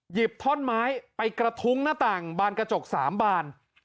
ท่อนไม้ไปกระทุ้งหน้าต่างบานกระจก๓บาน